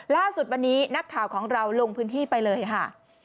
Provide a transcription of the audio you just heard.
ล่าสุดวันนี้นักข่าวของเราลงพื้นที่ไปเลยค่ะ